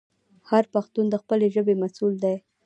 هر پښتون د خپلې ژبې مسوول دی.